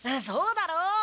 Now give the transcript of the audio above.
そうだろう？